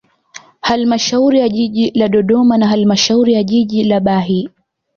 Halamashauri ya jiji la Dodoma na halmashauri ya jiji la Bahi